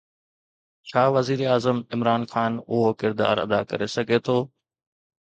ڇا وزيراعظم عمران خان اهو ڪردار ادا ڪري سگهي ٿو؟